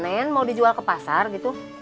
kalau udah panen mau dijual ke pasar gitu